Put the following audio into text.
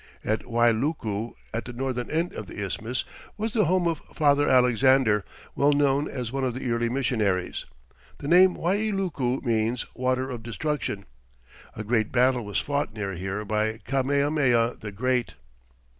At Wailuku, at the northern end of the isthmus, was the home of "Father Alexander," well known as one of the early missionaries. The name Wailuku means "Water of Destruction." A great battle was fought near here by Kamehameha the Great.